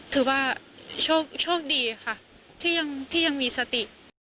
ถือว่าโชคดีค่ะที่ยังมีสติ